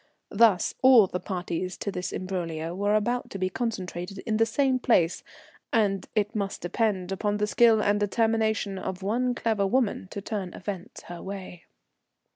Thus all the parties to this imbroglio were about to be concentrated in the same place, and it must depend upon the skill and determination of one clever woman to turn events her way.